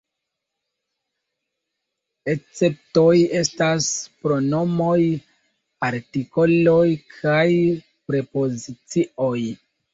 Esceptoj estas pronomoj, artikoloj kaj prepozicioj.